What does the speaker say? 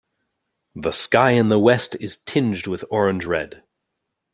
The sky in the west is tinged with orange red.